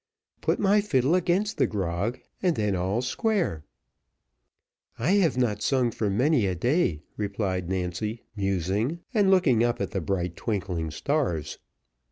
"Put my fiddle against the grog, and then all's square." "I have not sung for many a day," replied Nancy, musing, and looking up at the bright twinkling stars.